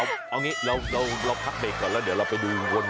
เอางี้เราพักเบรกก่อนแล้วเดี๋ยวเราไปดูวน